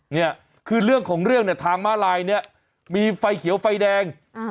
เนี่ยคือเรื่องของเรื่องเนี่ยทางม้าลายเนี่ยมีไฟเขียวไฟแดง